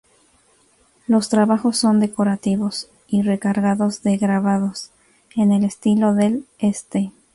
Los trabajos son decorativos y recargados de grabados en el estilo del "Este".